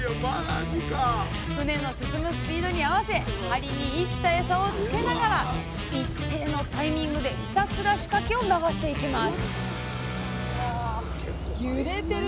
船の進むスピードに合わせ針に生きたエサをつけながら一定のタイミングでひたすら仕掛けを流していきます